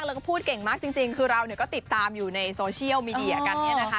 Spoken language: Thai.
คือเราก็ติดตามอยู่ในโซเชียลมีเดียกันนี้นะคะ